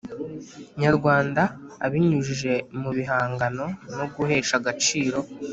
Nyarwanda abinyujije mu bihangano no guhesha agaciro